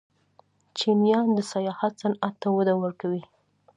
چینایان د سیاحت صنعت ته وده ورکوي.